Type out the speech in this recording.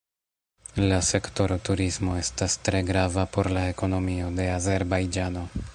La sektoro turismo estas tre grava por la ekonomio de Azerbajĝano.